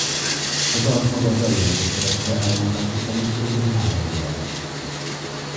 A dalt maga az előadó szerezte elmondása szerint körülbelül három óra alatt.